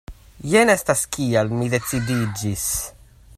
Jen estas kial mi decidiĝis.